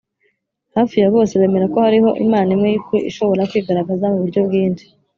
hafi ya bose bemera ko hariho imana imwe y’ukuri ishobora kwigaragaza mu buryo bwinshi